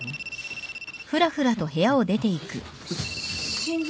心臓？